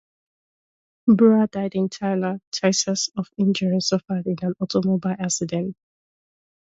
Brewer died in Tyler, Texas, of injuries suffered in an automobile accident.